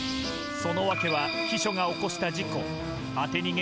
その訳は秘書が起こした事故。